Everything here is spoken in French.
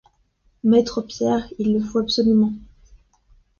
Maître Pierre, il le faut absolument.